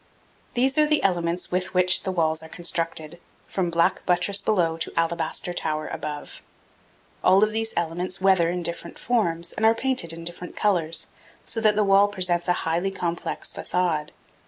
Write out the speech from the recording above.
These are the elements with which the walls are constructed, from black buttress below to alabaster tower above. All of these elements weather in different forms and are painted in different colors, so that the wall presents a highly complex facade.